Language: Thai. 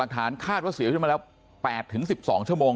ถ้า๘ชั่วโมงเนี่ยคือ๖โมงเช้า